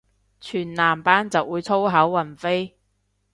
全男班就會粗口橫飛